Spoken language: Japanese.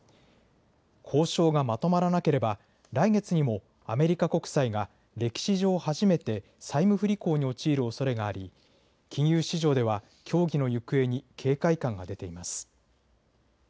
交渉がまとまらなければ来月にもアメリカ国債が歴史上初めて債務不履行に陥るおそれがあり金融市場では協議の行方に警戒感が出ています。